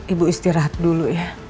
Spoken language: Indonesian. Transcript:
ibu istirahat dulu ya